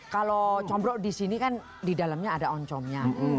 kalau combro disini kan didalamnya ada oncomnya